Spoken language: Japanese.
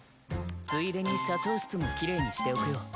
ついでに社長室もきれいにしておくよ。